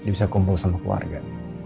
bisa kumpul sama keluarga